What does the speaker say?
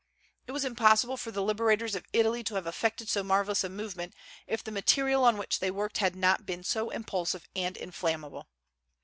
It was impossible for the liberators of Italy to have effected so marvellous a movement if the material on which they worked had not been so impulsive and inflammable.